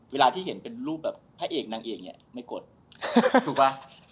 เวลาที่เห็นเป็นรูปแบบพระเอกนางเอกเนี่ยไม่กดถูกป่ะ